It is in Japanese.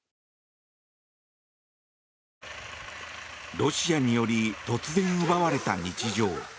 ロシアにより突然奪われた日常。